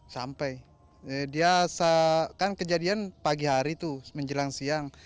sampai dia kan kejadian pagi hari tuh menjelang siang